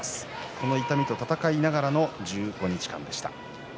この痛みと戦いながらの１５日間でした。